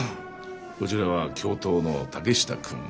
こちらは教頭の竹下君。